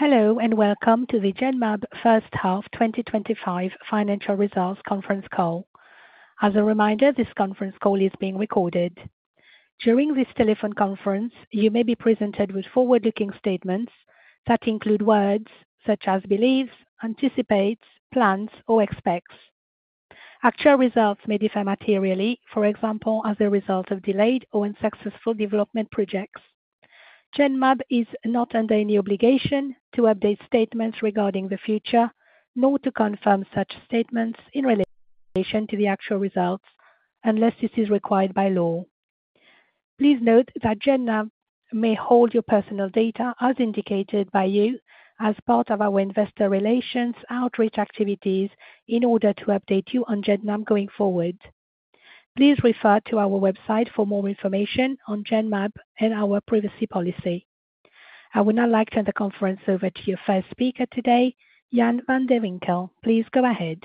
Hello and welcome to the Genmab first half 2025 financial results conference call. As a reminder, this conference call is being recorded. During this telephone conference, you may be presented with forward-looking statements that include words such as believes, anticipates, plans, or expects. Actual results may differ materially, for example, as a result of delayed or unsuccessful development projects. Genmab is not under any obligation to update statements regarding the future, nor to confirm such statements in relation to the actual results unless this is required by law. Please note that Genmab may hold your personal data as indicated by you as part of our investor relations outreach activities in order to update you on Genmab going forward. Please refer to our website for more information on Genmab and our privacy policy. I would now like to hand the conference over to your first speaker today, Jan van de Winkel. Please go ahead.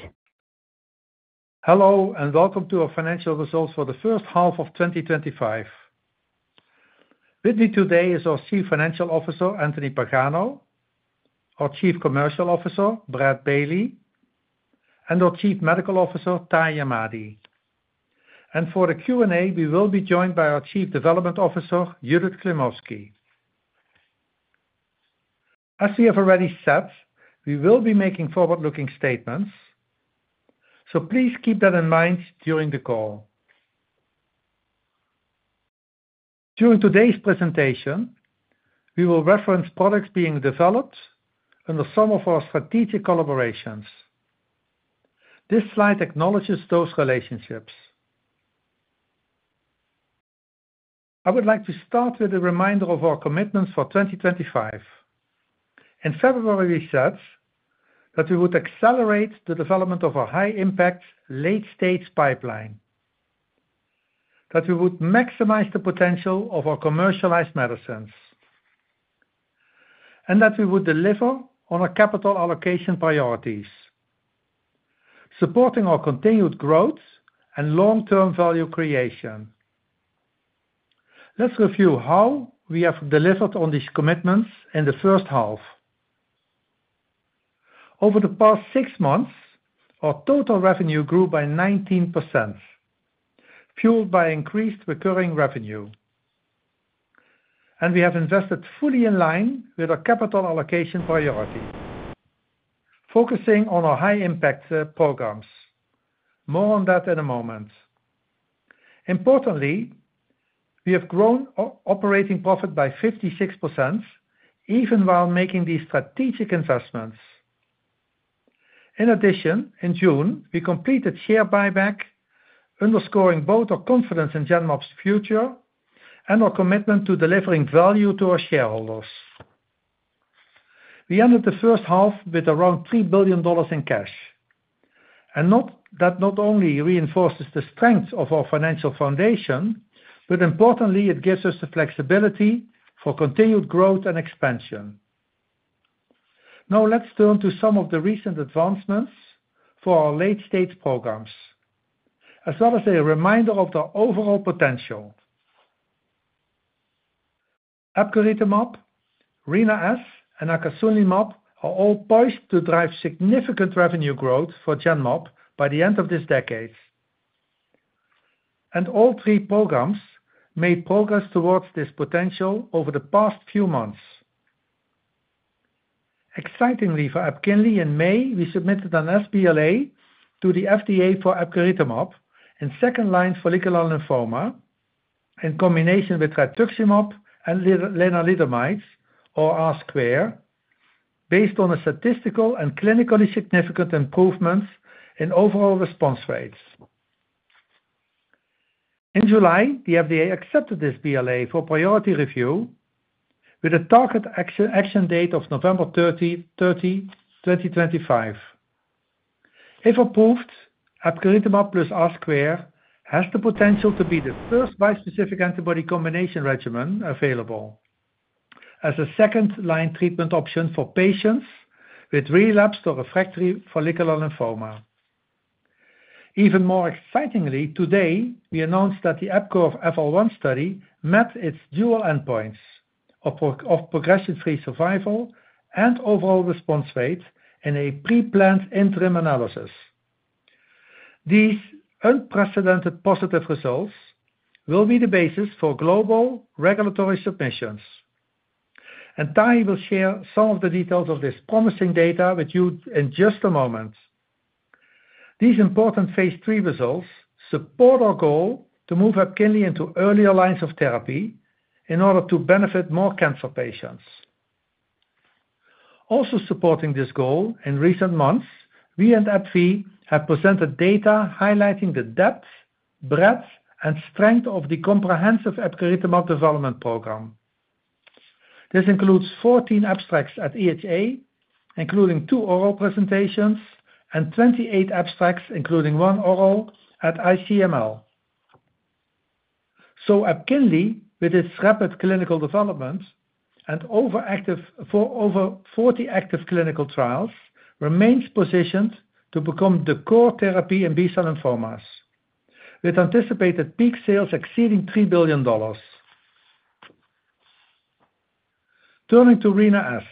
Hello and welcome to our financial results for the first half of 2025. With me today is our Chief Financial Officer, Anthony Pagano, our Chief Commercial Officer, Brad Bailey, and our Chief Medical Officer, Tahamtan Ahmadi. For the Q&A, we will be joined by our Chief Development Officer, Judith Klimovsky. As we have already said, we will be making forward-looking statements, so please keep that in mind during the call. During today's presentation, we will reference products being developed and the sum of our strategic collaborations. This slide acknowledges those relationships. I would like to start with a reminder of our commitments for 2025. In February, we said that we would accelerate the development of our high-impact, late-stage pipeline, that we would maximize the potential of our commercialized medicines, and that we would deliver on our capital allocation priorities, supporting our continued growth and long-term value creation. Let's review how we have delivered on these commitments in the first half. Over the past six months, our total revenue grew by 19%, fueled by increased recurring revenue, and we have invested fully in line with our capital allocation priority, focusing on our high-impact programs. More on that in a moment. Importantly, we have grown our operating profit by 56%, even while making these strategic investments. In addition, in June, we completed share buyback, underscoring both our confidence in Genmab's future and our commitment to delivering value to our shareholders. We ended the first half with around $3 billion in cash, and that not only reinforces the strength of our financial foundation, but importantly, it gives us the flexibility for continued growth and expansion. Now, let's turn to some of the recent advancements for our late-stage programs, as well as a reminder of the overall potential. epcoritamab, Rina-S, and Acasunlimab are all poised to drive significant revenue growth for Genmab by the end of this decade. All three programs made progress towards this potential over the past few months. Excitingly, for EPKINLY, in May, we submitted an FPLA to the FDA for epcoritamab in second-line follicular lymphoma in combination with Rituximab and lenalidomide, or R-square, based on a statistical and clinically significant improvement in overall response rates. In July, the FDA accepted this PLA for priority review with a target action date of November 30, 2025. If approved, epcoritamab plus R-square has the potential to be the first bispecific antibody combination regimen available as a second-line treatment option for patients with relapsed or refractory follicular lymphoma. Even more excitingly, today, we announced that the Apgar FL1 study met its dual endpoints of progression-free survival and overall response rate in a pre-planned interim analysis. These unprecedented positive results will be the basis for global regulatory submissions. Taha will share some of the details of this promising data with you in just a moment. These important Phase 3 results support our goal to move EPKINLY into earlier lines of therapy in order to benefit more cancer patients. Also supporting this goal, in recent months, we and epcoritamab have presented data highlighting the depth, breadth, and strength of the comprehensive epcoritamab development program. This includes 14 abstracts at EHA, including two oral presentations, and 28 abstracts, including one oral at ICML. EPKINLY, with its rapid clinical development and over 40 active clinical trials, remains positioned to become the core therapy in B-cell lymphomas, with anticipated peak sales exceeding $3 billion. Turning to Rina-S,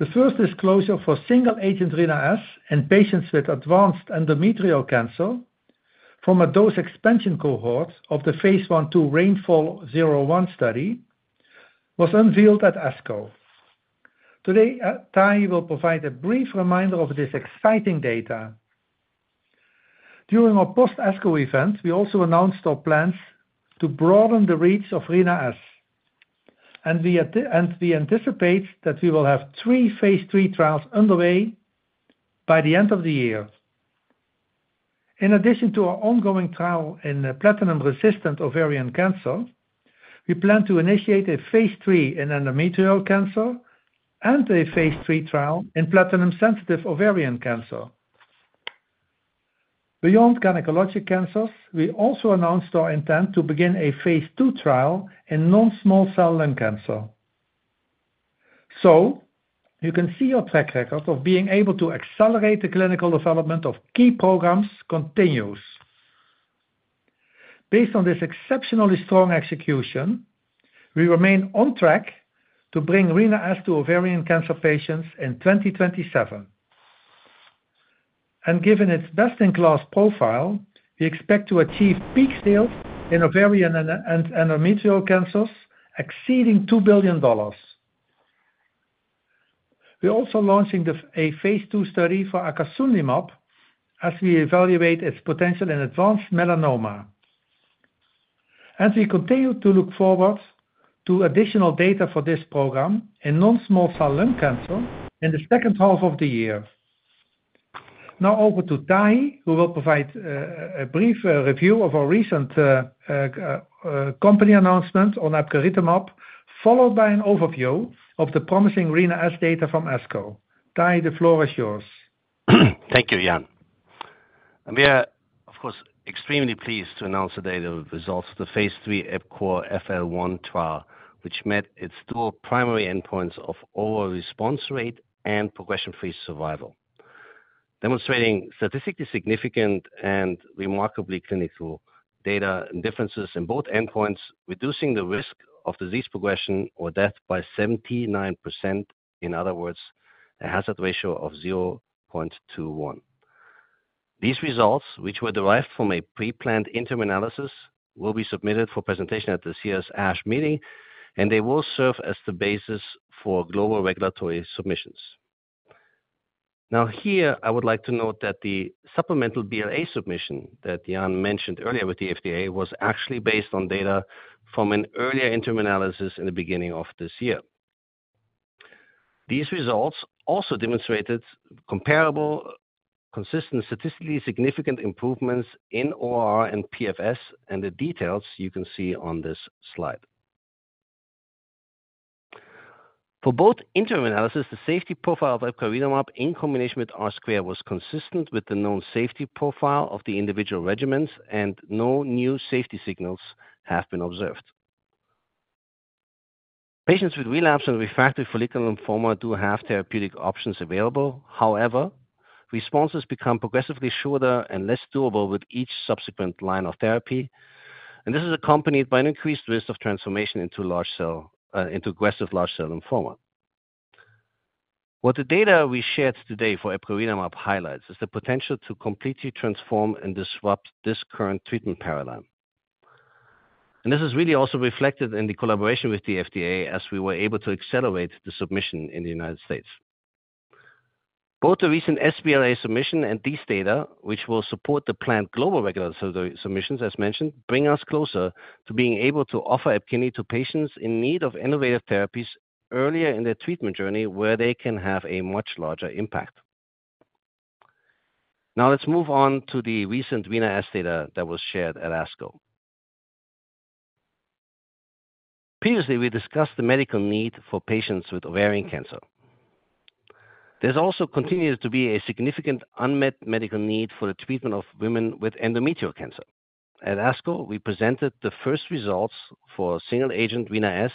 the first disclosure for single-agent Rina-S in patients with advanced endometrial cancer from a dose expansion cohort of the phase 1-2 RAINFALL-01 study was unveiled at ESCORE. Today, Taha will provide a brief reminder of this exciting data. During our post-ESCORE event, we also announced our plans to broaden the reach of Rina-S, and we anticipate that we will have three Phase 3 trials underway by the end of the year. In addition to our ongoing trial in platinum-resistant ovarian cancer, we plan to initiate a Phase 3 in endometrial cancer and a Phase 3 trial in platinum-sensitive ovarian cancer. Beyond gynecologic cancers, we also announced our intent to begin a Phase 2 trial in non-small cell lung cancer. You can see our track record of being able to accelerate the clinical development of key programs continues. Based on this exceptionally strong execution, we remain on track to bring Rina-S to ovarian cancer patients in 2027. Given its best-in-class profile, we expect to achieve peak sales in ovarian and endometrial cancers exceeding $2 billion. We're also launching a Phase 2 study for Acasunlimab as we evaluate its potential in advanced melanoma. As we continue to look forward to additional data for this program in non-small cell lung cancer in the second half of the year, now over to Taha, who will provide a brief review of our recent company announcement on epcoritamab, followed by an overview of the promising Rina-S data from ESCORE. Taha, the floor is yours. Thank you, Jan. We are, of course, extremely pleased to announce today the results of the Phase 3 EPCORE FL1 trial, which met its two primary endpoints of overall response rate and progression-free survival, demonstrating statistically significant and remarkable clinical data and differences in both endpoints, reducing the risk of disease progression or death by 79%. In other words, a hazard ratio of 0.21. These results, which were derived from a pre-planned interim analysis, will be submitted for presentation at this year's ASH meeting, and they will serve as the basis for global regulatory submissions. Here I would like to note that the supplemental BLA submission that Jan mentioned earlier with the FDA was actually based on data from an earlier interim analysis in the beginning of this year. These results also demonstrated comparable, consistent, statistically significant improvements in OR and PFS, and the details you can see on this slide. For both interim analyses, the safety profile of epcoritamab in combination with R-square was consistent with the known safety profile of the individual regimens, and no new safety signals have been observed. Patients with relapsed and refractory follicular lymphoma do have therapeutic options available. However, responses become progressively shorter and less durable with each subsequent line of therapy, and this is accompanied by an increased risk of transformation into aggressive large cell lymphoma. What the data we shared today for epcoritamab highlights is the potential to completely transform and disrupt this current treatment paradigm. This is really also reflected in the collaboration with the FDA as we were able to accelerate the submission in the United States. Both the recent sBLA submission and these data, which will support the planned global regulatory submissions, as mentioned, bring us closer to being able to offer epcoritamab to patients in need of innovative therapies earlier in their treatment journey, where they can have a much larger impact. Now, let's move on to the recent Rina-S data that was shared at ASCO. Previously, we discussed the medical need for patients with ovarian cancer. There also continues to be a significant unmet medical need for the treatment of women with endometrial cancer. At ASCO, we presented the first results for single-agent Rina-S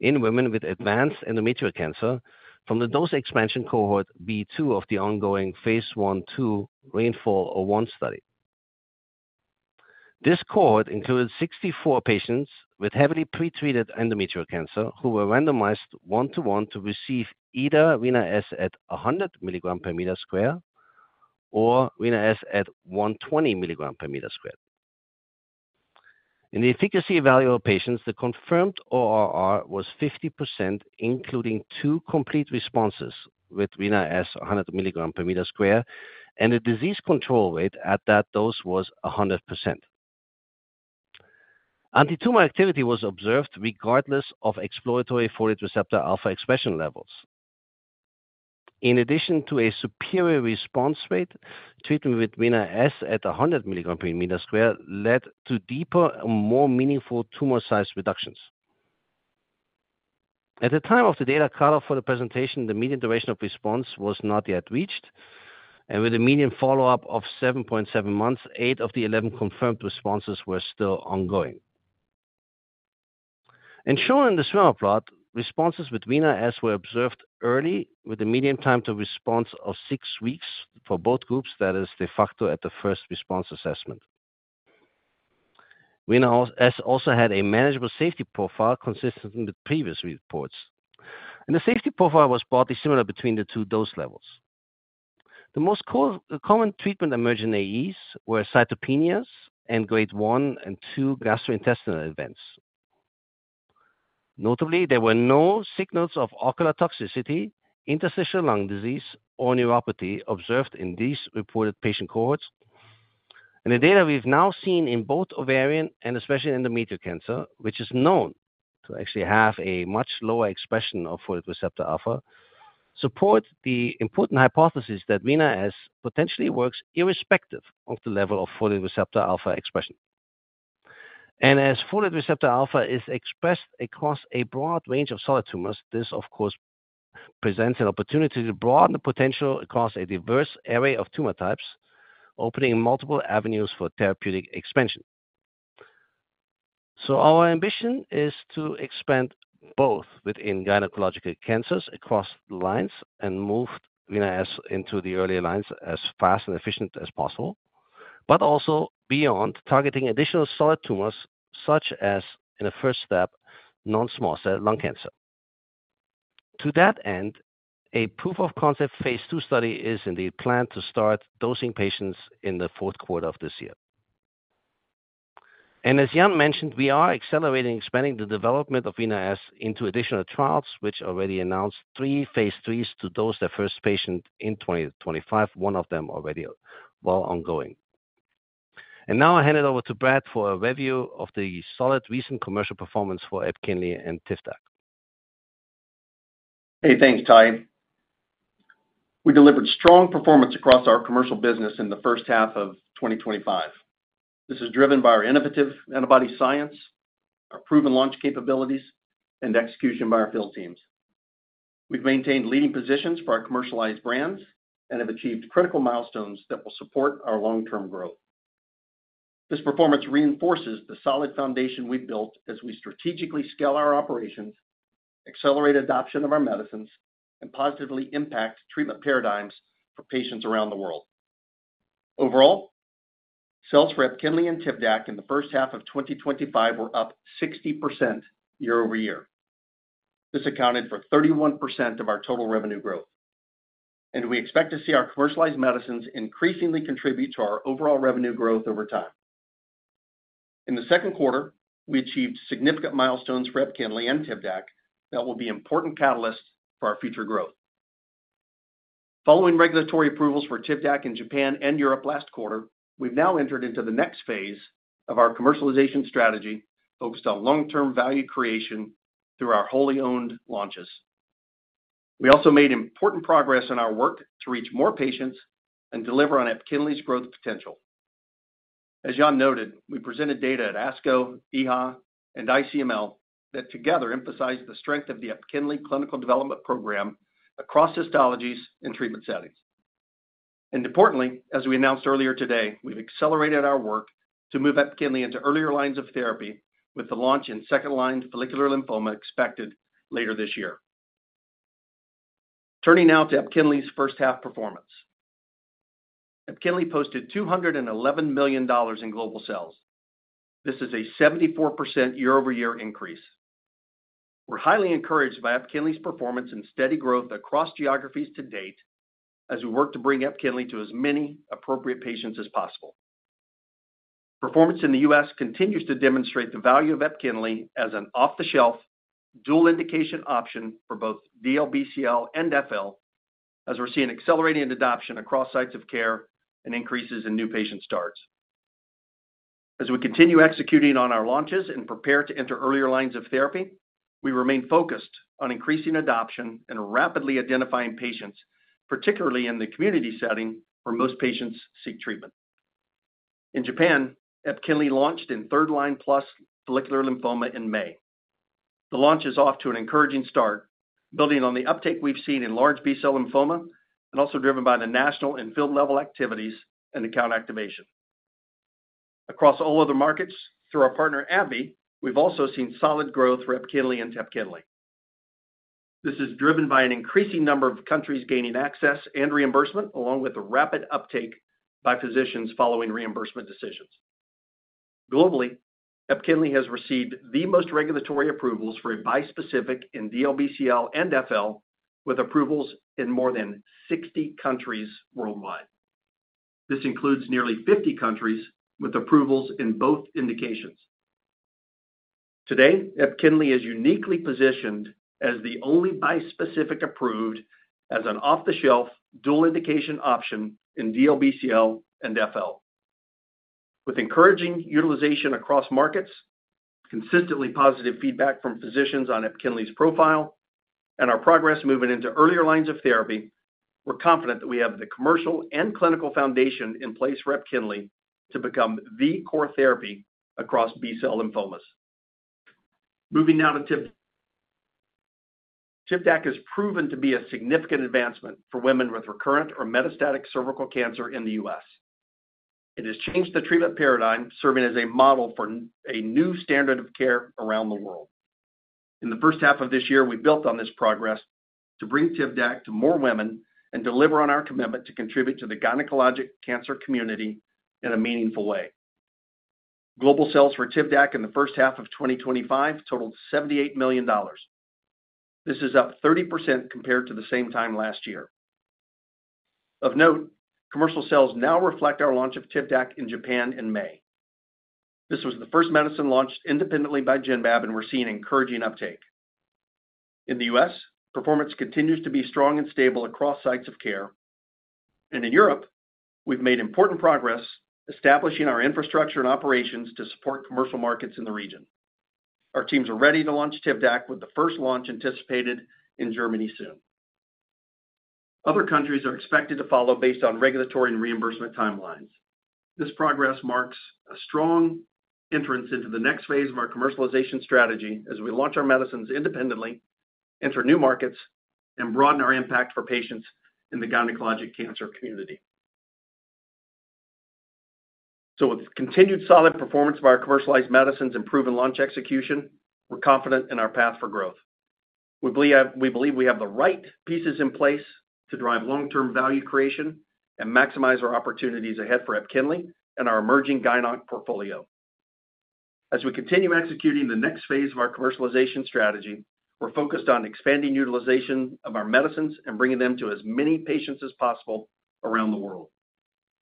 in women with advanced endometrial cancer from the dose expansion cohort B2 of the ongoing phase 1-2 RAINFALL-01 study. This cohort included 64 patients with heavily pretreated endometrial cancer who were randomized one to one to receive either Rina-S at 100 milligrams per meter squared or Rina-S at 120 milligrams per meter squared. In the efficacy evaluation of patients, the confirmed ORR was 50%, including two complete responses with Rina-S 100 milligrams per meter squared, and the disease control rate at that dose was 100%. Antitumor activity was observed regardless of exploratory folate receptor alpha expression levels. In addition to a superior response rate, treatment with Rina-S at 100 milligrams per meter squared led to deeper and more meaningful tumor size reductions. At the time of the data cutoff for the presentation, the median duration of response was not yet reached, and with a median follow-up of 7.7 months, 8 of the 11 confirmed responses were still ongoing. As shown in the swimmer plot, responses with Rina-S were observed early, with a median time to response of six weeks for both groups, that is de facto at the first response assessment. Rina-S also had a manageable safety profile consistent with previous reports, and the safety profile was broadly similar between the two dose levels. The most common treatment-emergent AEs were cytopenias and grade 1 and 2 gastrointestinal events. Notably, there were no signals of ocular toxicity, interstitial lung disease, or neuropathy observed in these reported patient cohorts. The data we've now seen in both ovarian and especially endometrial cancer, which is known to actually have a much lower expression of folate receptor alpha, support the important hypothesis that Rina-S potentially works irrespective of the level of folate receptor alpha expression. As folate receptor alpha is expressed across a broad range of solid tumors, this, of course, presents an opportunity to broaden the potential across a diverse array of tumor types, opening multiple avenues for therapeutic expansion. Our ambition is to expand both within gynecological cancers across the lines and move Rina-S into the earlier lines as fast and efficient as possible, but also beyond targeting additional solid tumors, such as in the first step, non-small cell lung cancer. To that end, a proof of concept Phase 2 study is indeed planned to start dosing patients in the fourth quarter of this year. As Jan mentioned, we are accelerating and expanding the development of Rina-S into additional trials, which already announced three Phase 3s to dose the first patient in 2025, one of them already ongoing. I'll hand it over to Brad for a review of the solid recent commercial performance for EPKINLY and Tivdak. Hey, thanks, Taha. We delivered strong performance across our commercial business in the first half of 2025. This is driven by our innovative antibody science, our proven launch capabilities, and execution by our field teams. We've maintained leading positions for our commercialized brands and have achieved critical milestones that will support our long-term growth. This performance reinforces the solid foundation we've built as we strategically scale our operations, accelerate adoption of our medicines, and positively impact treatment paradigms for patients around the world. Overall, sales for EPKINLY and Tivdak in the first half of 2025 were up 60% year over year. This accounted for 31% of our total revenue growth. We expect to see our commercialized medicines increasingly contribute to our overall revenue growth over time. In the second quarter, we achieved significant milestones for EPKINLY and Tivdak that will be important catalysts for our future growth. Following regulatory approvals for Tivdak in Japan and Europe last quarter, we've now entered into the next phase of our commercialization strategy focused on long-term value creation through our wholly owned launches. We also made important progress in our work to reach more patients and deliver on EPKINLY's growth potential. As Jan noted, we presented data at ASCO, EHA, and ICML that together emphasize the strength of the EPKINLY clinical development program across histologies and treatment settings. Importantly, as we announced earlier today, we've accelerated our work to move EPKINLY into earlier lines of therapy with the launch in second-line follicular lymphoma expected later this year. Turning now to EPKINLY's first half performance, EPKINLY posted $211 million in global sales. This is a 74% year-over-year increase. We're highly encouraged by EPKINLY's performance and steady growth across geographies to date as we work to bring EPKINLY to as many appropriate patients as possible. Performance in the U.S. continues to demonstrate the value of EPKINLY as an off-the-shelf, dual indication option for both DLBCL and FL, as we're seeing accelerated adoption across sites of care and increases in new patient starts. As we continue executing on our launches and prepare to enter earlier lines of therapy, we remain focused on increasing adoption and rapidly identifying patients, particularly in the community setting where most patients seek treatment. In Japan, epcoritamab launched in third-line plus follicular lymphoma in May. The launch is off to an encouraging start, building on the uptake we've seen in large B-cell lymphoma and also driven by the national and field-level activities and account activation. Across all other markets, through our partner AbbVie, we've also seen solid growth for EPKINLY and TEPKINLY. This is driven by an increasing number of countries gaining access and reimbursement, along with a rapid uptake by physicians following reimbursement decisions. Globally, EPKINLY has received the most regulatory approvals for bispecific in DLBCL and FL, with approvals in more than 60 countries worldwide. This includes nearly 50 countries with approvals in both indications. Today, EPKINLY is uniquely positioned as the only bispecific approved as an off-the-shelf, dual indication option in DLBCL and FL. With encouraging utilization across markets, consistently positive feedback from physicians on EPKINLY's profile, and our progress moving into earlier lines of therapy, we're confident that we have the commercial and clinical foundation in place for EPKINLY to become the core therapy across B-cell lymphomas. Moving now to Tivdak. Tivdak has proven to be a significant advancement for women with recurrent or metastatic cervical cancer in the U.S. It has changed the treatment paradigm, serving as a model for a new standard of care around the world. In the first half of this year, we built on this progress to bring Tivdak to more women and deliver on our commitment to contribute to the gynecologic cancer community in a meaningful way. Global sales for Tivdak in the first half of 2025 totaled $78 million. This is up 30% compared to the same time last year. Of note, commercial sales now reflect our launch of Tivdak in Japan in May. This was the first medicine launched independently by Genmab, and we're seeing encouraging uptake. In the U.S., performance continues to be strong and stable across sites of care. In Europe, we've made important progress establishing our infrastructure and operations to support commercial markets in the region. Our teams are ready to launch Tivdak with the first launch anticipated in Germany soon. Other countries are expected to follow based on regulatory and reimbursement timelines. This progress marks a strong entrance into the next phase of our commercialization strategy as we launch our medicines independently, enter new markets, and broaden our impact for patients in the gynecologic cancer community. With continued solid performance of our commercialized medicines and proven launch execution, we're confident in our path for growth. We believe we have the right pieces in place to drive long-term value creation and maximize our opportunities ahead for epcoritamab and our emerging Gynoc portfolio. As we continue executing the next phase of our commercialization strategy, we're focused on expanding utilization of our medicines and bringing them to as many patients as possible around the world.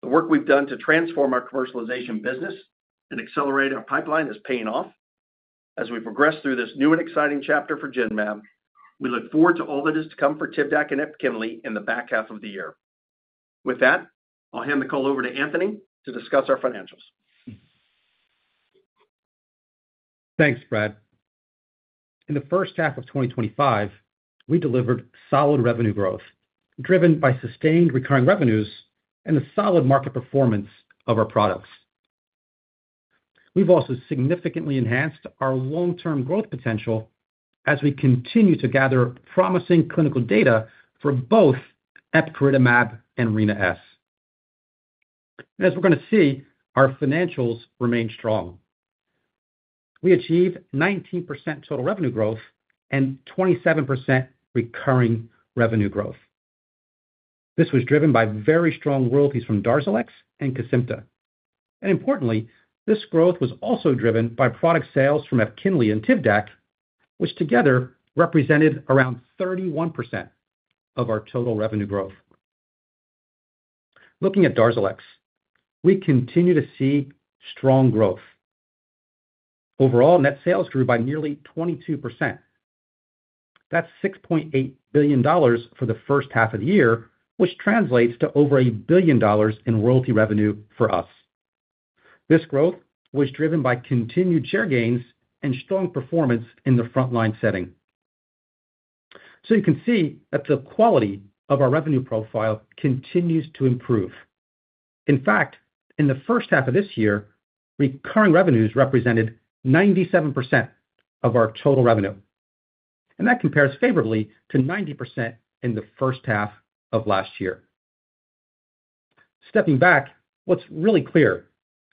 The work we've done to transform our commercialization business and accelerate our pipeline is paying off. As we progress through this new and exciting chapter for Genmab, we look forward to all that is to come for Tivdak and EPKINLY in the back half of the year. With that, I'll hand the call over to Anthony to discuss our financials. Thanks, Brad. In the first half of 2025, we delivered solid revenue growth, driven by sustained recurring revenues and the solid market performance of our products. We've also significantly enhanced our long-term growth potential as we continue to gather promising clinical data for both epcoritamab and Rina-S. As we're going to see, our financials remain strong. We achieved 19% total revenue growth and 27% recurring revenue growth. This was driven by very strong royalties from DARZALEX and Kesimpta. Importantly, this growth was also driven by product sales from EPKINLY and Tivdak, which together represented around 31% of our total revenue growth. Looking at DARZALEX, we continue to see strong growth. Overall, net sales grew by nearly 22%. That's $6.8 billion for the first half of the year, which translates to over $1 billion in royalty revenue for us. This growth was driven by continued share gains and strong performance in the frontline setting. You can see that the quality of our revenue profile continues to improve. In fact, in the first half of this year, recurring revenues represented 97% of our total revenue. That compares favorably to 90% in the first half of last year. Stepping back, what's really clear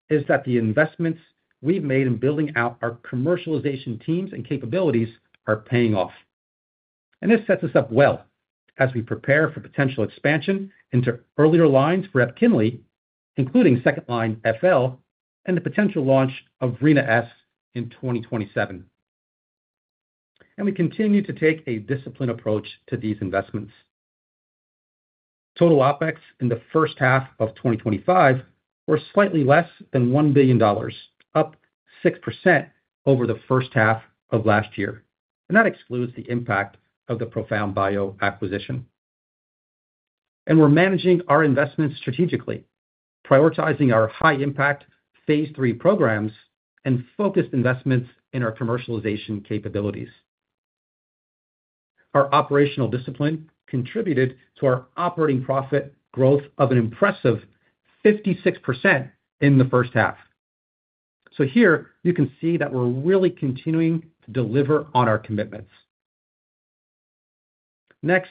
is that the investments we've made in building out our commercialization teams and capabilities are paying off. This sets us up well as we prepare for potential expansion into earlier lines for EPKINLY, including second-line FL, and the potential launch of Rina-S in 2027. We continue to take a disciplined approach to these investments. Total OpEx in the first half of 2025 was slightly less than $1 billion, up 6% over the first half of last year. That excludes the impact of the Profound Bio acquisition. We're managing our investments strategically, prioritizing our high-impact Phase 3 programs and focused investments in our commercialization capabilities. Our operational discipline contributed to our operating profit growth of an impressive 56% in the first half. Here you can see that we're really continuing to deliver on our commitments. Next,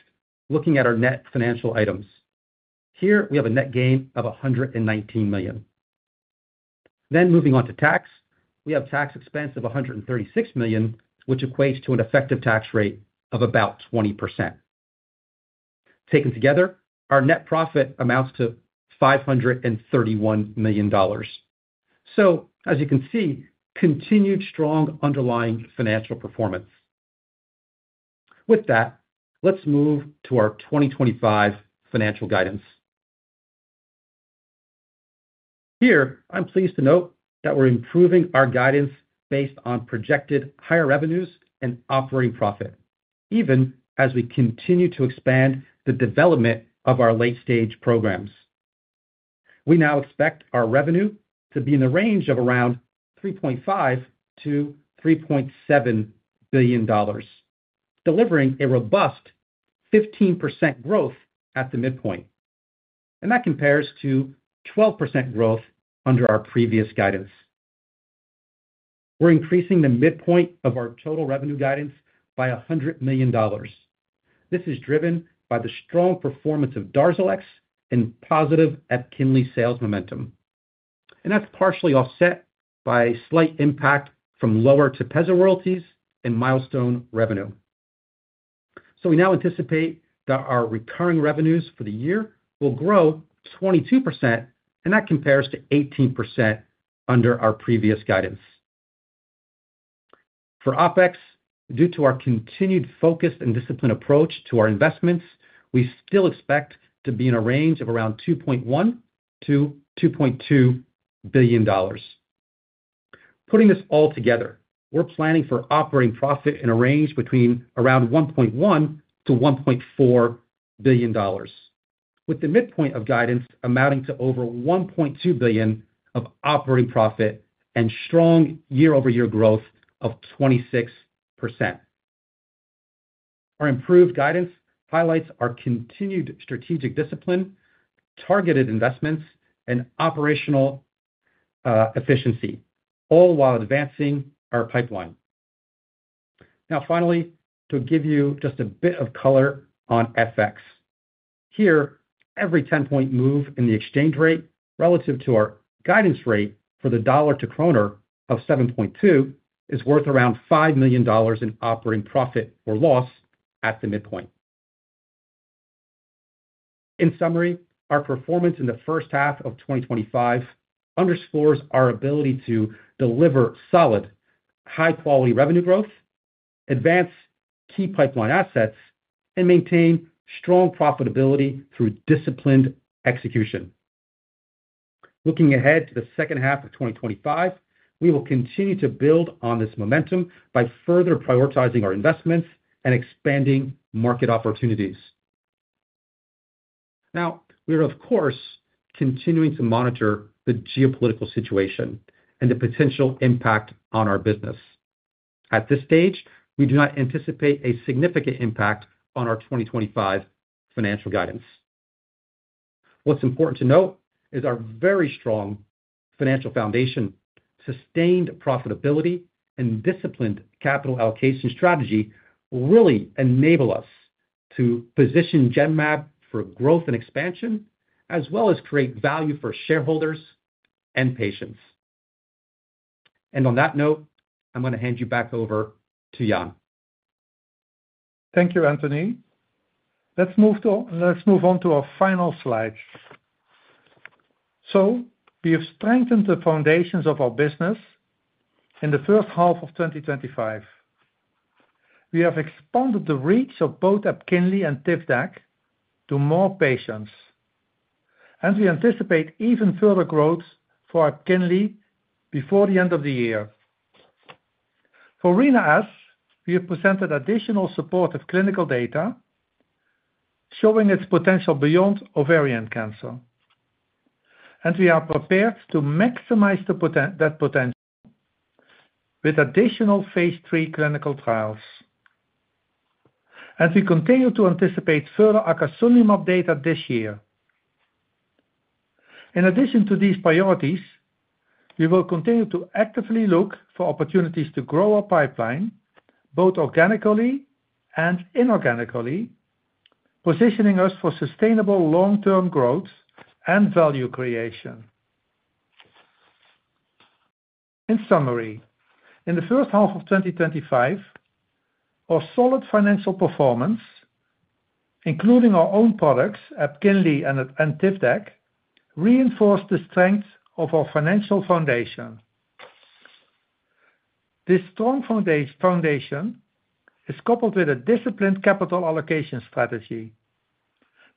looking at our net financial items, we have a net gain of $119 million. Moving on to tax, we have tax expense of $136 million, which equates to an effective tax rate of about 20%. Taken together, our net profit amounts to $531 million. You can see continued strong underlying financial performance. Let's move to our 2025 financial guidance. I'm pleased to note that we're improving our guidance based on projected higher revenues and operating profit, even as we continue to expand the development of our late-stage programs. We now expect our revenue to be in the range of around $3.5 billion-$3.7 billion, delivering a robust 15% growth at the midpoint. That compares to 12% growth under our previous guidance. We're increasing the midpoint of our total revenue guidance by $100 million. This is driven by the strong performance of DARZALEX and positive EPKINLY sales momentum. That's partially offset by a slight impact from lower TEPEZZA royalties and milestone revenue. We now anticipate that our recurring revenues for the year will grow 22%, compared to 18% under our previous guidance. For OpEx, due to our continued focus and disciplined approach to our investments, we still expect to be in a range of around $2.1 billion-$2.2 billion. Putting this all together, we're planning for operating profit in a range between around $1.1billion-$1.4 billion, with the midpoint of guidance amounting to over $1.2 billion of operating profit and strong year-over-year growth of 26%. Our improved guidance highlights our continued strategic discipline, targeted investments, and operational efficiency, all while advancing our pipeline. Now, finally, to give you just a bit of color on FX. Here, every 10-point move in the exchange rate relative to our guidance rate for the dollar to kroner of 7.2 is worth around $5 million in operating profit or loss at the midpoint. In summary, our performance in the first half of 2025 underscores our ability to deliver solid, high-quality revenue growth, advance key pipeline assets, and maintain strong profitability through disciplined execution. Looking ahead to the second half of 2025, we will continue to build on this momentum by further prioritizing our investments and expanding market opportunities. We are, of course, continuing to monitor the geopolitical situation and the potential impact on our business. At this stage, we do not anticipate a significant impact on our 2025 financial guidance. What's important to note is our very strong financial foundation, sustained profitability, and disciplined capital allocation strategy will really enable us to position Genmab for growth and expansion, as well as create value for shareholders and patients. On that note, I'm going to hand you back over to Jan. Thank you, Anthony. Let's move on to our final slide. We have strengthened the foundations of our business in the first half of 2025. We have expanded the reach of both epcoritamab and Tivdak to more patients, and we anticipate even further growth for epcoritamab before the end of the year. For Rina-S, we have presented additional supportive clinical data showing its potential beyond ovarian cancer, and we are prepared to maximize that potential with additional Phase 3 clinical trials. We continue to anticipate further Acasunlimab data this year. In addition to these priorities, we will continue to actively look for opportunities to grow our pipeline, both organically and inorganically, positioning us for sustainable long-term growth and value creation. In summary, in the first half of 2025, our solid financial performance, including our own products, EPKINLY and Tivdak, reinforced the strength of our financial foundation. This strong foundation is coupled with a disciplined capital allocation strategy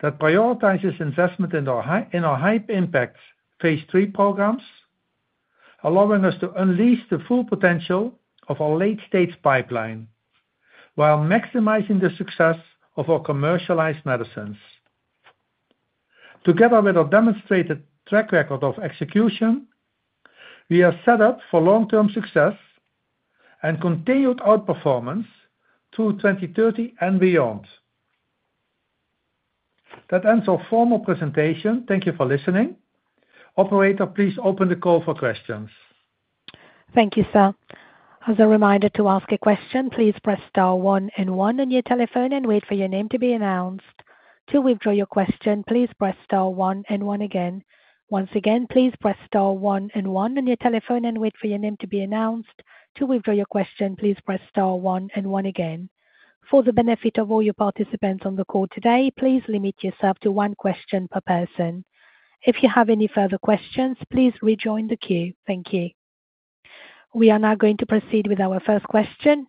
that prioritizes investment in our high-impact Phase 3 programs, allowing us to unleash the full potential of our late-stage pipeline while maximizing the success of our commercialized medicines. Together with our demonstrated track record of execution, we are set up for long-term success and continued outperformance through 2030 and beyond. That ends our formal presentation. Thank you for listening. Operator, please open the call for questions. Thank you, sir. As a reminder to ask a question, please press star one and one on your telephone and wait for your name to be announced. To withdraw your question, please press star one and one again. Once again, please press star one and one on your telephone and wait for your name to be announced. To withdraw your question, please press star one and one again. For the benefit of all participants on the call today, please limit yourself to one question per person. If you have any further questions, please rejoin the queue. Thank you. We are now going to proceed with our first question.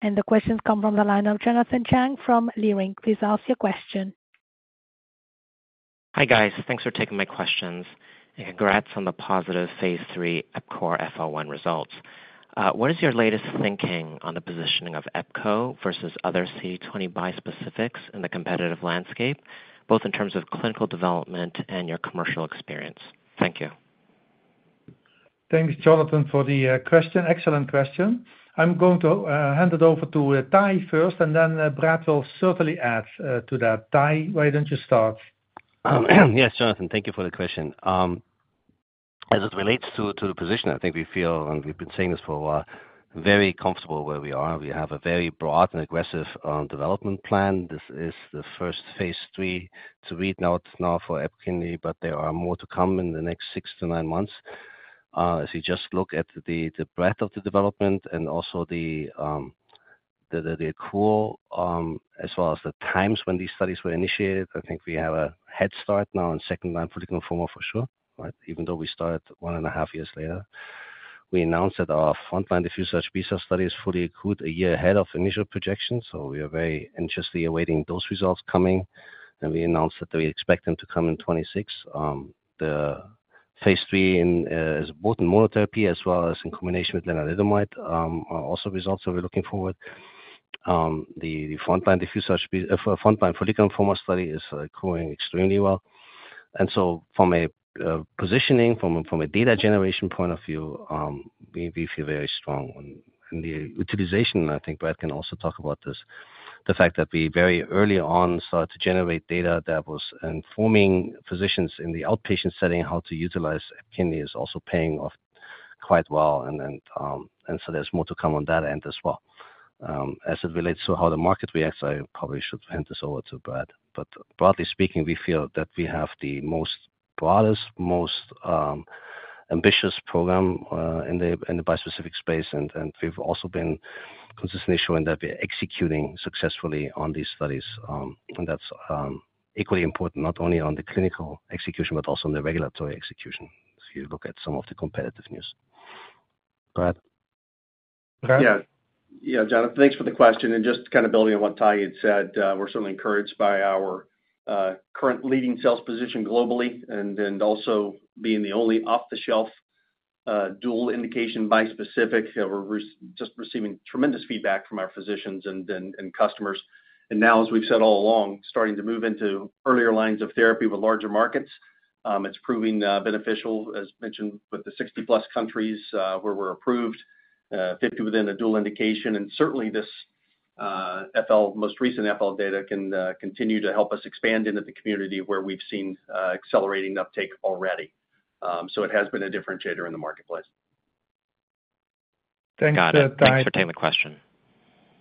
The questions come from the line of Jonathan Chang from Leerink. Please ask your question. Hi guys, thanks for taking my questions, and congrats on the positive Phase 3 EPCORE FL1 results. What is your latest thinking on the positioning of EPCORE versus other CD20 bispecifics in the competitive landscape, both in terms of clinical development and your commercial experience? Thank you. Thanks, Jonathan, for the question. Excellent question. I'm going to hand it over to Taha first, and then Brad will certainly add to that. Taha, why don't you start? Yes, Jonathan, thank you for the question. As it relates to the position, I think we feel, and we've been saying this for a while, very comfortable where we are. We have a very broad and aggressive development plan. This is the first Phase 3 to read out now for EPKINLY, but there are more to come in the next six to nine months. As you just look at the breadth of the development and also the accrual, as well as the times when these studies were initiated, I think we have a head start now in second-line follicular lymphoma for sure, even though we started one and a half years later. We announced that our frontline diffuse HB cell studies fully accrued a year ahead of initial projections, so we are very anxiously awaiting those results coming. We announced that we expect them to come in 2026. The Phase 3 is both in monotherapy as well as in combination with lenalidomide, also results that we're looking forward to. The frontline follicular lymphoma study is accruing extremely well. From a positioning, from a data generation point of view, we feel very strong on the utilization. I think Brad can also talk about this, the fact that we very early on started to generate data that was informing physicians in the outpatient setting how to utilize epcoritamab is also paying off quite well. There is more to come on that end as well. As it relates to how the market reacts, I probably should hand this over to Brad. Broadly speaking, we feel that we have the broadest, most ambitious program in the bispecific space, and we've also been consistently showing that we're executing successfully on these studies. That is equally important, not only on the clinical execution, but also on the regulatory execution if you look at some of the competitive news. Brad. Yeah, Jonathan, thanks for the question. Just kind of building on what Taha had said, we're certainly encouraged by our current leading sales position globally, and also being the only off-the-shelf dual indication bispecific. We're just receiving tremendous feedback from our physicians and customers. As we've said all along, starting to move into earlier lines of therapy with larger markets is proving beneficial, as mentioned, with the 60+ countries where we're approved, 50 within a dual indication. Certainly, this most recent FL data can continue to help us expand into the community where we've seen accelerating uptake already. It has been a differentiator in the marketplace. Thanks, Tah. Thanks for taking the question.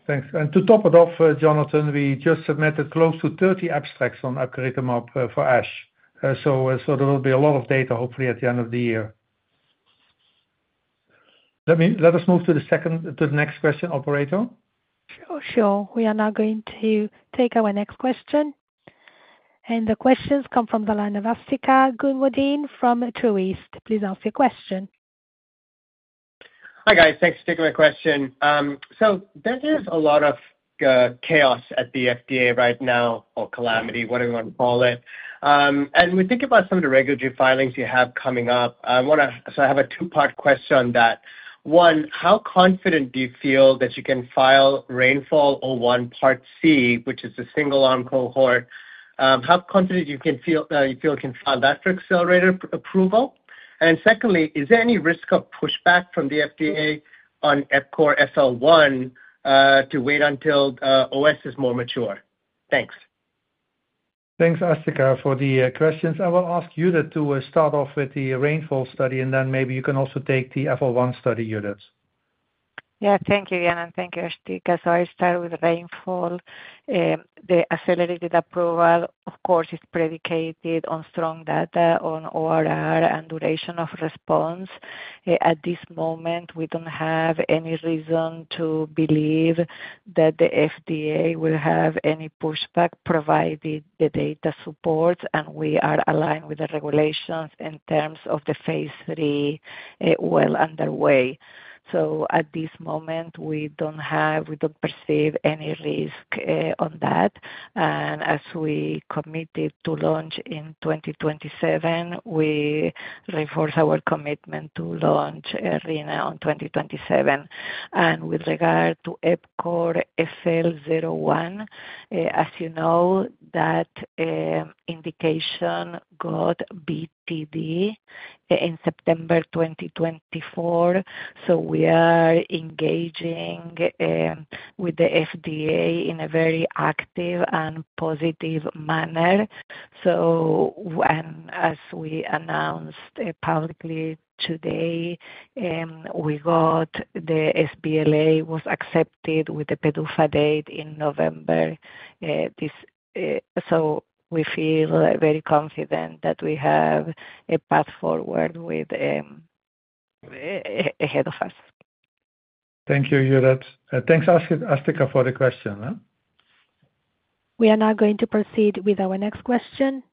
Thanks. To top it off, Jonathan, we just submitted close to 30 abstracts on epcoritamab for ASH. There will be a lot of data, hopefully, at the end of the year. Let us move to the next question, operator. Sure, sure. We are now going to take our next question. The questions come from the line of Asthika Goonewardene from Truist. Please ask your question. Hi guys, thanks for taking my question. There's a lot of chaos at the FDA right now, or calamity, whatever you want to call it. We think about some of the regulatory filings you have coming up. I have a two-part question on that. One, how confident do you feel that you can file RAINFALL-01 Part C, which is the single-arm cohort? How confident do you feel you can file that for accelerated approval? Secondly, is there any risk of pushback from the FDA on Epcore, FL1 to wait until OS is more mature? Thanks. Thanks, Asthika, for the questions. I will ask you to start off with the RAINFALL study, and then maybe you can also take the FL1 study units. Thank you, Jan, and thank you, Asthika. I start with RAINFALL. The accelerated approval, of course, is predicated on strong data on ORR and duration of response. At this moment, we don't have any reason to believe that the FDA will have any pushback provided the data supports and we are aligned with the regulations in terms of the phase 3 well underway. At this moment, we don't perceive any risk on that. As we committed to launch in 2027, we reinforce our commitment to launch Rina-S in 2027. With regard to EPCORE FL-1, as you know, that indication got BTD in September 2024. We are engaging with the FDA in a very active and positive manner. As we announced publicly today, the sBLA was accepted with the PDUFA date in November. We feel very confident that we have a path forward ahead of us. Thank you, Judith. Thanks, Asthika, for the question. We are now going to proceed with our next question.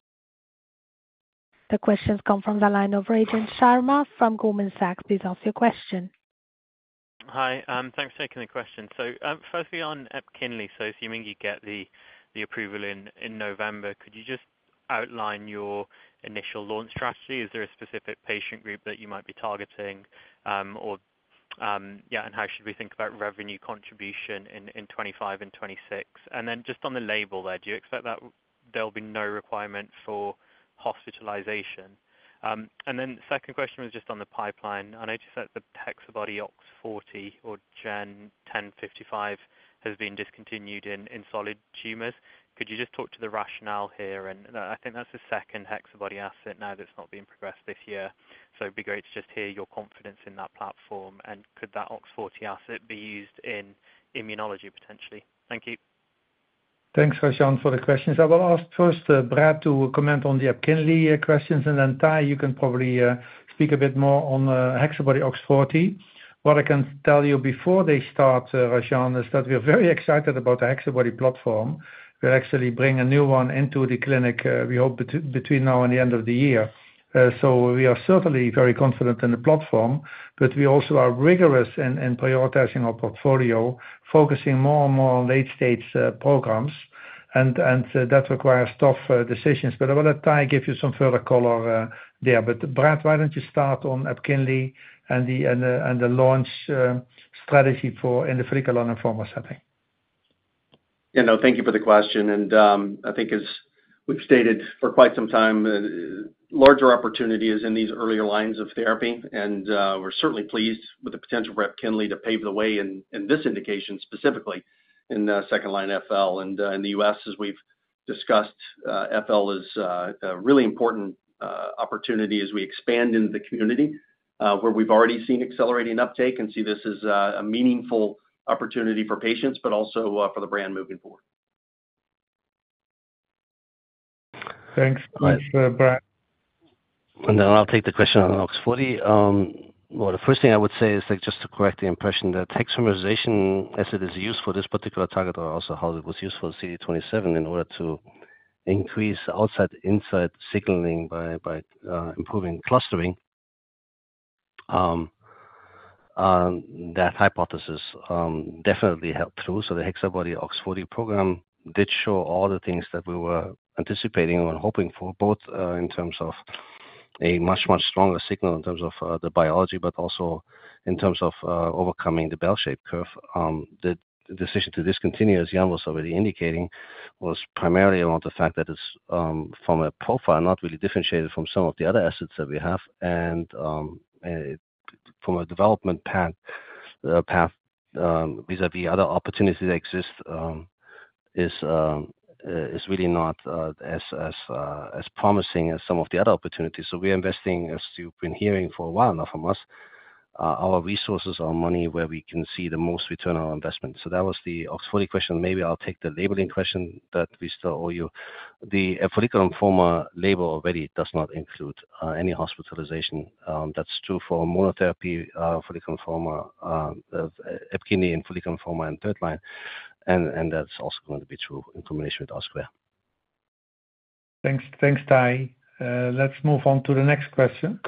The questions come from the line of Rajan Sharma from Goldman Sachs. Please ask your question. Hi, and thanks for taking the question. Firstly, on EPKINLY, assuming you get the approval in November, could you just outline your initial launch strategy? Is there a specific patient group that you might be targeting? How should we think about revenue contribution in 2025 and 2026? On the label there, do you expect that there'll be no requirement for hospitalization? The second question was on the pipeline. I noticed that the Hexabody OX40 or Gen 1055 has been discontinued in solid tumors. Could you talk to the rationale here? I think that's the second Hexabody asset now that's not being progressed this year. It'd be great to hear your confidence in that platform. Could that OX40 asset be used in immunology potentially? Thank you. Thanks, Rajan, for the questions. I will ask first Brad to comment on the epcoritamab questions, and then Taha, you can probably speak a bit more on Hexabody-OX40. What I can tell you before they start, Rajan, is that we're very excited about the Hexabody platform. We will actually bring a new one into the clinic, we hope, between now and the end of the year. We are certainly very confident in the platform, but we also are rigorous in prioritizing our portfolio, focusing more and more on late-stage programs. That requires tough decisions. I will let Taha give you some further color there. Brad, why don't you start on epcoritamab and the launch strategy for in the follicular lymphoma setting? Thank you for the question. I think, as we've stated for quite some time, the larger opportunity is in these earlier lines of therapy. We're certainly pleased with the potential for epcoritamab to pave the way in this indication, specifically in second-line FL. In the U.S., as we've discussed, FL is a really important opportunity as we expand into the community where we've already seen accelerating uptake and see this as a meaningful opportunity for patients, but also for the brand moving forward. Thanks, thanks, Brad. I'll take the question on OX40. The first thing I would say is that just to correct the impression that hexamerization asset is used for this particular target, or also how it was used for C27 in order to increase outside-inside signaling by improving clustering. That hypothesis definitely helped through. The Hexabody-OX40 program did show all the things that we were anticipating and hoping for, both in terms of a much, much stronger signal in terms of the biology, but also in terms of overcoming the bell-shaped curve. The decision to discontinue, as Jan was already indicating, was primarily around the fact that it's from a profile not really differentiated from some of the other assets that we have. From a development path vis-à-vis other opportunities that exist, it's really not as promising as some of the other opportunities. We're investing, as you've been hearing for a while now from us, our resources or money where we can see the most return on our investment. That was the OX40 question. Maybe I'll take the labeling question that we still owe you. The follicular lymphoma label already does not include any hospitalization. That's true for monotherapy EPKINLY and follicular lymphoma in third line. That's also going to be true in combination with elsewhere. Thanks, Taha. Let's move on to the next question.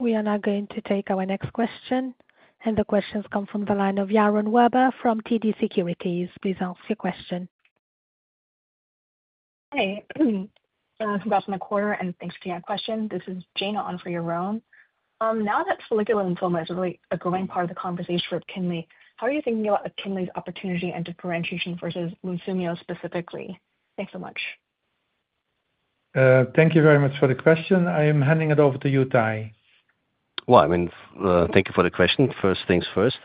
We are now going to take our next question. The questions come from the line of Yaron Werber from TD Securities. Please ask your question. Hey, good afternoon, Dr. McClure, and thanks for taking my question. This is Jane on for Yaron. Now that follicular lymphoma is really a growing part of the conversation for EPKINLY, how are you thinking about EPKINLY's opportunity and differentiation versus leukemia specifically? Thanks so much. Thank you very much for the question. I'm handing it over to you, Taha. Thank you for the question. First things first,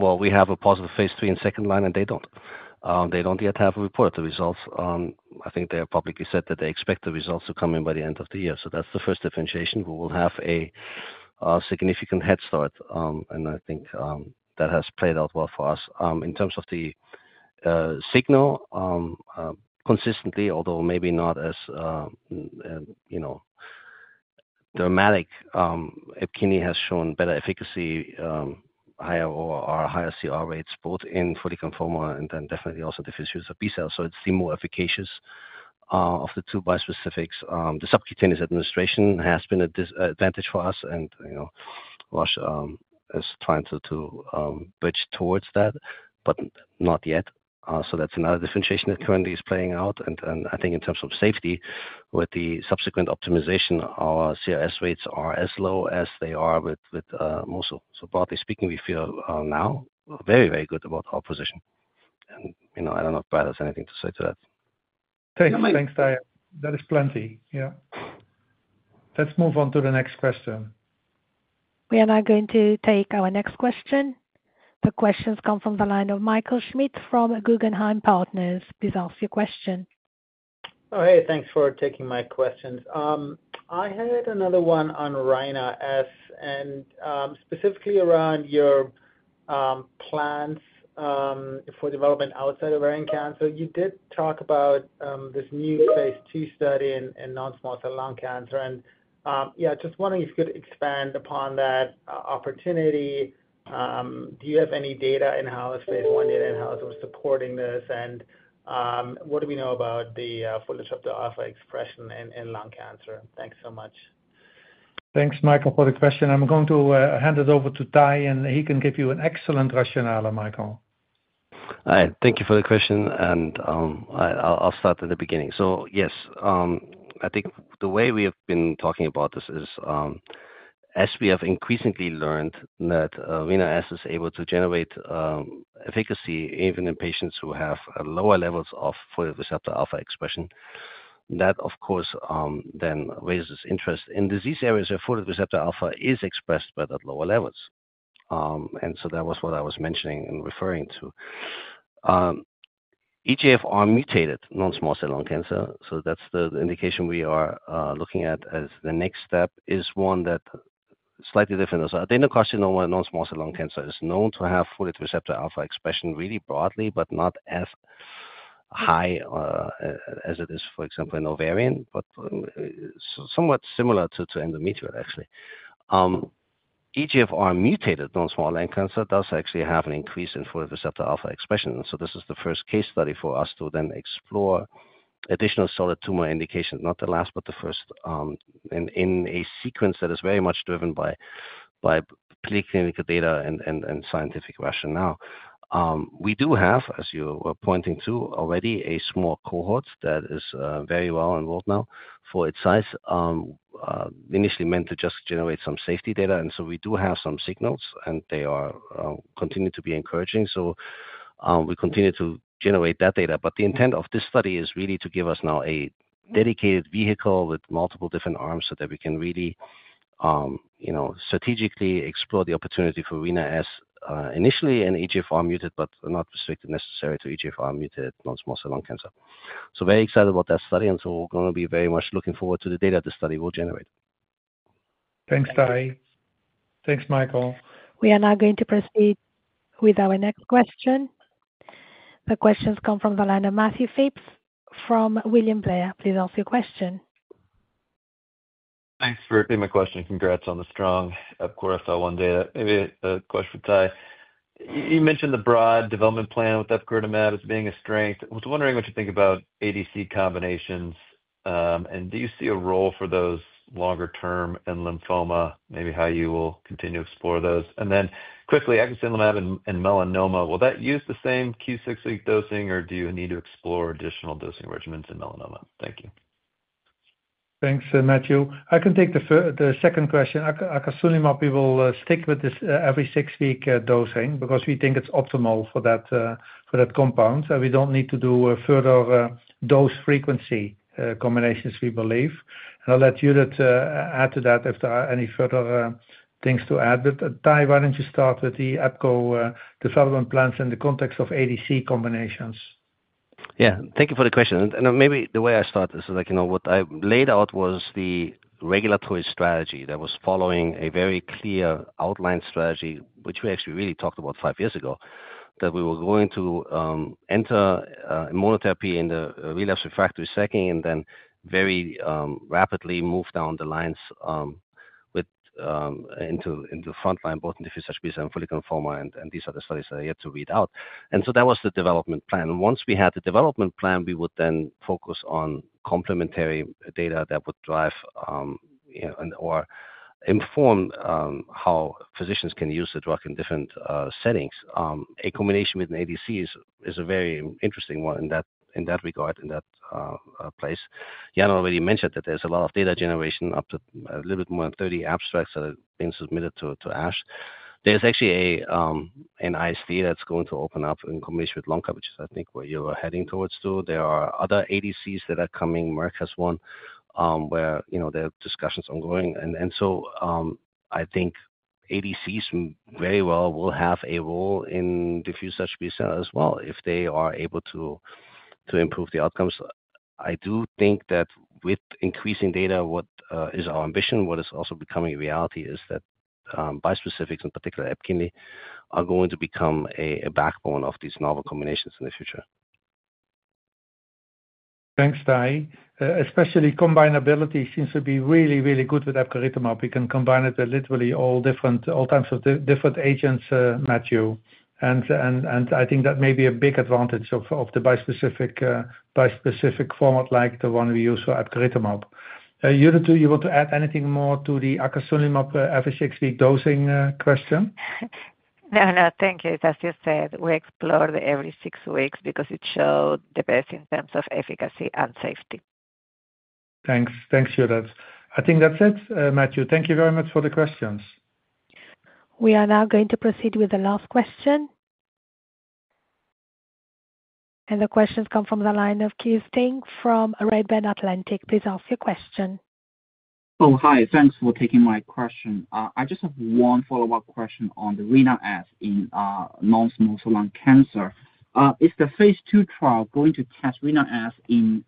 we have a positive Phase 3 in second line, and they don't yet have a report of the results. I think they have publicly said that they expect the results to come in by the end of the year. That's the first differentiation. We will have a significant head start, and I think that has played out well for us. In terms of the signal, consistently, although maybe not as dramatic, epcoritamab has shown better efficacy, higher CR rates, both in follicular lymphoma and then definitely also diffuse use of B cells. It's the more efficacious of the two bispecifics. The subcutaneous administration has been a disadvantage for us, and you know Lush is trying to bridge towards that, but not yet. That's another differentiation that currently is playing out. I think in terms of safety, with the subsequent optimization, our CRS rates are as low as they are with Mosune. Broadly speaking, we feel now very, very good about our position. I don't know if Brad has anything to say to that. Thanks, Taha. That is plenty. Let's move on to the next question. We are now going to take our next question. The questions come from the line of Michael Schmidt from Guggenheim Partners. Please ask your question. Oh, hey, thanks for taking my question. I had another one on Rina-S, and specifically around your plans for development outside ovarian cancer. You did talk about this new Phase 2 study in non-small cell lung cancer. Just wondering if you could expand upon that opportunity. Do you have any data in-house, Phase 1 data in-house, or supporting this? What do we know about the follicular alpha expression in lung cancer? Thanks so much. Thanks, Michael, for the question. I'm going to hand it over to Taha, and he can give you an excellent rationale, Michael. Thank you for the question. I'll start at the beginning. Yes, I think the way we have been talking about this is, as we have increasingly learned that Rina-S is able to generate efficacy even in patients who have lower levels of folate receptor alpha expression. That, of course, then raises interest in disease areas where folate receptor alpha is expressed but at lower levels. That was what I was mentioning and referring to. EGFR-mutated non-small cell lung cancer, that's the indication we are looking at as the next step, is one that is slightly different. Adenocarcinoma non-small cell lung cancer is known to have folate receptor alpha expression really broadly, but not as high as it is, for example, in ovarian, but somewhat similar to endometrial, actually. EGFR-mutated non-small cell lung cancer does actually have an increase in folate receptor alpha expression. This is the first case study for us to then explore additional solid tumor indications, not the last but the first, in a sequence that is very much driven by preclinical data and scientific rationale. We do have, as you were pointing to already, a small cohort that is very well enrolled now for its size. Initially, we meant to just generate some safety data, and we do have some signals, and they continue to be encouraging. We continue to generate that data. The intent of this study is really to give us now a dedicated vehicle with multiple different arms so that we can really strategically explore the opportunity for Rina-S initially in EGFR-mutated, but not restricted necessarily to EGFR-mutated non-small cell lung cancer. Very excited about that study, and we're going to be very much looking forward to the data this study will generate. Thanks, Taha. Thanks, Michael. We are now going to proceed with our next question. The questions come from the line of Matthew Phipps from William Blair. Please ask your question. Thanks for your question. Congrats on the strong epcoritamab, FL1 data. Maybe a question for Taha. You mentioned the broad development plan with epcoritamab as being a strength. I was wondering what you think about ADC combinations, and do you see a role for those longer term in lymphoma? Maybe how you will continue to explore those. Quickly, epcoritamab in melanoma, will that use the same q6 week dosing, or do you need to explore additional dosing regimens in melanoma? Thank you. Thanks, Matthew. I can take the second question. Acasunlimab, we will stick with this every six week dosing because we think it's optimal for that compound. We don't need to do further dose frequency combinations, we believe. I'll let Judith add to that if there are any further things to add. Taha, why don't you start with the Epco development plans in the context of ADC combinations? Yeah, thank you for the question. Maybe the way I start this is, you know, what I laid out was the regulatory strategy that was following a very clear outline strategy, which we actually really talked about five years ago, that we were going to enter monotherapy in the relapsed refractory setting and then very rapidly move down the lines into the front line both in diffuse HB cell and follicular lymphoma, and these are the studies that are yet to read out. That was the development plan. Once we had the development plan, we would then focus on complementary data that would drive or inform how physicians can use the drug in different settings. A combination with an ADC is a very interesting one in that regard, in that place. Jan already mentioned that there's a lot of data generation, up to a little bit more than 30 abstracts that are being submitted to ASH. There's actually an ISD that's going to open up in combination with LONCA, which is, I think, where you're heading towards too. There are other ADCs that are coming, MERKAS one, where there are discussions ongoing. I think ADCs very well will have a role in diffuse HB cell as well if they are able to improve the outcomes. I do think that with increasing data, what is our ambition, what is also becoming a reality is that bi-specifics in particular, epcoritamab, are going to become a backbone of these novel combinations in the future. Thanks, Taha. Especially combinability seems to be really, really good with epcoritamab. We can combine it with literally all different types of different agents, Matthew. I think that may be a big advantage of the bispecific format like the one we use for epcoritamab. Judith, are you able to add anything more to the Acasunlimab every six week dosing question? No, thank you. As you said, we explored the every six weeks because it showed the best in terms of efficacy and safety. Thanks, Judith. I think that's it, Matthew. Thank you very much for the questions. We are now going to proceed with the last question. The questions come from the line of Keir Sting from Rayburn Atlantic. Please ask your question. Oh, hi. Thanks for taking my question. I just have one follow-up question on the Rina-S in non-small cell lung cancer. Is the Phase 2 trial going to test Rina-S in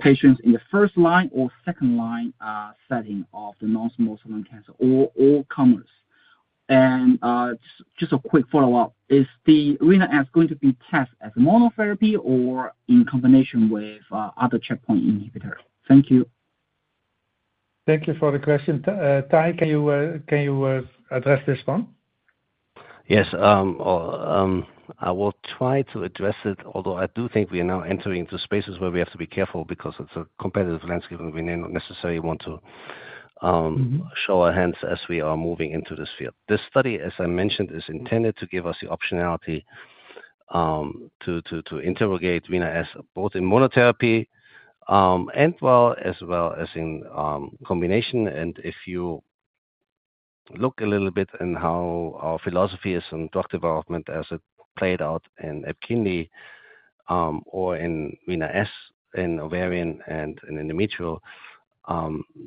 patients in the first line or second line setting of the non-small cell lung cancer, or both? Just a quick follow-up, is the Rina-S going to be tested as monotherapy or in combination with other checkpoint inhibitors? Thank you. Thank you for the question. Taha, can you address this one? Yes, I will try to address it, although I do think we are now entering into spaces where we have to be careful because it's a competitive landscape and we may not necessarily want to show our hands as we are moving into this field. This study, as I mentioned, is intended to give us the optionality to interrogate Rina-S both in monotherapy as well as in combination. If you look a little bit at how our philosophy is in drug development as it played out in EPKINLY or in Rina-S in ovarian and in endometrial,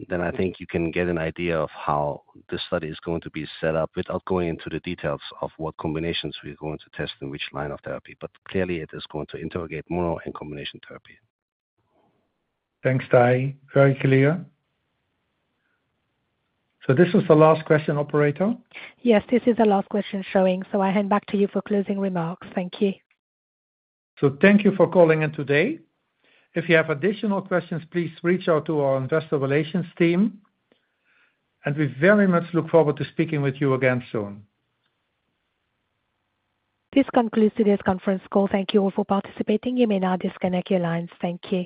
then I think you can get an idea of how this study is going to be set up without going into the details of what combinations we're going to test and which line of therapy. Clearly, it is going to interrogate mono and combination therapy. Thanks, Taha. Very clear. This is the last question, operator. Yes, this is the last question showing. I hand back to you for closing remarks. Thank you. Thank you for calling in today. If you have additional questions, please reach out to our investor relations team. We very much look forward to speaking with you again soon. This concludes today's conference call. Thank you all for participating. You may now disconnect your lines. Thank you.